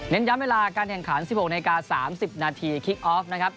ย้ำเวลาการแข่งขัน๑๖นาที๓๐นาทีคิกออฟนะครับ